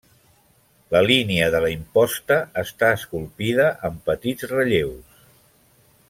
La línia de la imposta està esculpida amb petits relleus.